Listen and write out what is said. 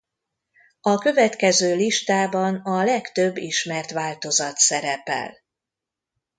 A következő listában a legtöbb ismert változat szerepel.